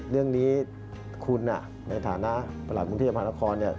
เรื่องนี้คุณในฐานะประหลัดกรุงเทพมหานคร